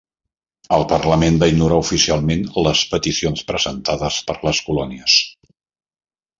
El Parlament va ignorar oficialment les peticions presentades per les colònies.